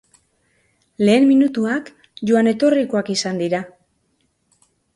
Lehen minutuak joan etorrikoak izan dira.